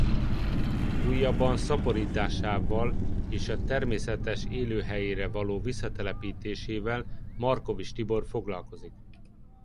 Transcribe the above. Újabban szaporításával és a természetes élőhelyére való visszatelepítésével Markovics Tibor foglalkozik.